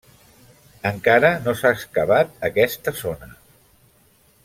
Encara no s'ha excavat aquesta zona.